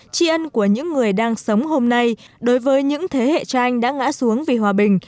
tri ân của những người đang sống hôm nay đối với những thế hệ cha anh đã ngã xuống vì hòa bình